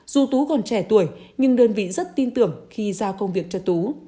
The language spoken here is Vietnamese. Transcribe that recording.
dù tú còn trẻ tuổi nhưng đơn vị rất tin tưởng khi giao công việc cho tú